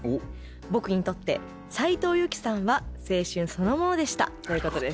僕にとって斉藤由貴さんは青春そのものでした」ということです。